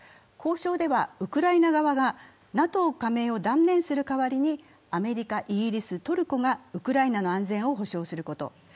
交渉ではウクライナ側がＮＡＴＯ加盟を断念する代わりにアメリカ、イギリス、トルコがウクライナの安全を保障すること。